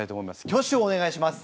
挙手をお願いします。